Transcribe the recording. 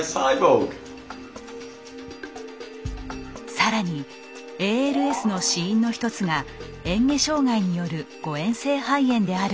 更にＡＬＳの死因の一つが嚥下障害による誤嚥性肺炎であることに注目。